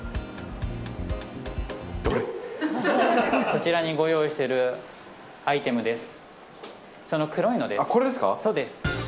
そちらにご用意しているアイテムです。